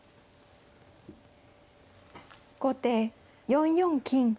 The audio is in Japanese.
後手４四金。